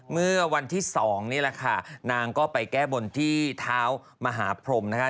เมื่อวันที่๒นี่แหละค่ะนางก็ไปแก้บนที่เท้ามหาพรมนะคะ